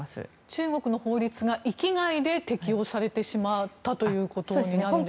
中国の法律が域内で適応されてしまったということですか。